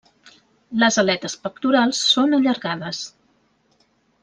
Les aletes pectorals són allargades.